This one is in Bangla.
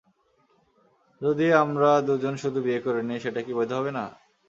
যদি আমরা দুজন শুধু বিয়ে করে নেই - সেটা কি বৈধ হবে না?